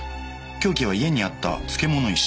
凶器は家にあった漬物石。